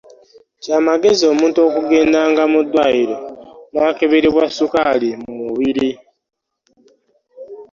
Kya magezi omuntu okugendanga mu ddwaliro n’akeberebwa sukaali mu mubiri.